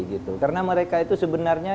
gitu karena mereka itu sebenarnya